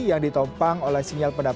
yang ditopang oleh sinyal pendapat